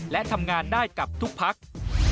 และทำงานได้กับทุกพัก